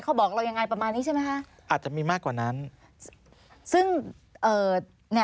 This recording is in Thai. เขาบอกเรายังไงประมาณนี้ใช่ไหมคะอาจจะมีมากกว่านั้นซึ่งเอ่อเนี้ย